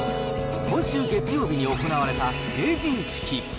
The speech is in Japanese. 今週月曜日に行われた成人式。